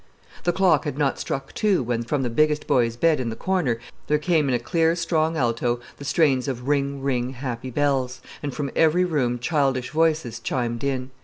The clock had not struck two when from the biggest boy's bed in the corner there came in a clear, strong alto the strains of "Ring, ring, happy bells!" and from every room childish voices chimed in.